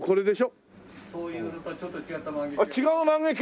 そういうのとはちょっと違った万華鏡が。